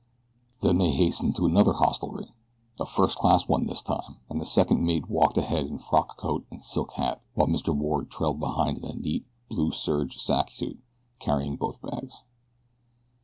Then they hastened to another hostelry a first class one this time, and the second mate walked ahead in frock coat and silk hat while Mr. Ward trailed behind in a neat, blue serge sack suit, carrying both bags.